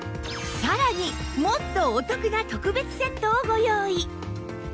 さらにもっとお得な特別セットをご用意